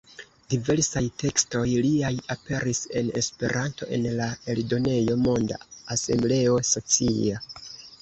Diversaj tekstoj liaj aperis en Esperanto en la eldonejo Monda Asembleo Socia.